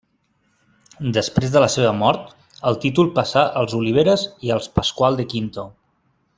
Després de la seva mort, el títol passà als Oliveres i als Pasqual de Quinto.